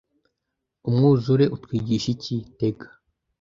Umwuzure utwigisha iki Tega